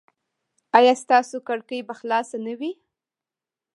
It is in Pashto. ایا ستاسو کړکۍ به خلاصه نه وي؟